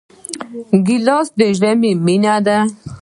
ګیلاس د ژمي مینه ده.